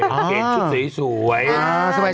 โอเคชุดสวยสวย